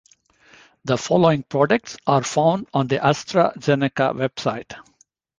The following products are found on the AstraZeneca website.